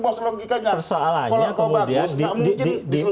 bos logikanya kuala kompa bagus